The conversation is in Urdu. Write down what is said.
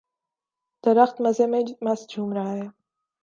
درخت مزے میں مست جھوم رہا ہے